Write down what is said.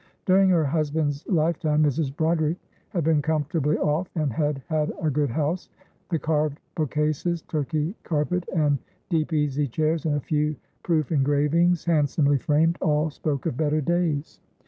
During her husband's lifetime Mrs. Broderick had been comfortably off, and had had a good house the carved book cases, Turkey carpet, and deep easy chairs, and a few proof engravings handsomely framed, all spoke of better days.